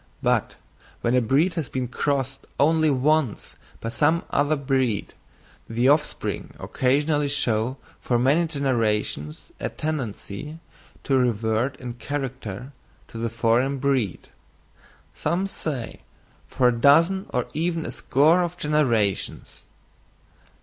But when a breed has been crossed only once by some other breed, the offspring occasionally show for many generations a tendency to revert in character to the foreign breed—some say, for a dozen or even a score of generations.